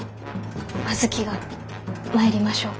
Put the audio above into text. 阿月が参りましょうか。